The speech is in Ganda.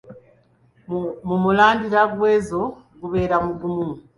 Mu mulandira gw’enzo gubeera mugumu.